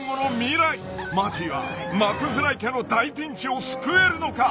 ［マーティはマクフライ家の大ピンチを救えるのか？］